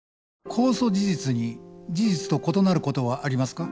公訴事実に事実と異なることはありますか？